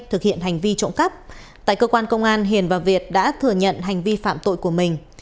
thực hiện hành vi trộm cắp tại cơ quan công an hiền và việt đã thừa nhận hành vi phạm tội của mình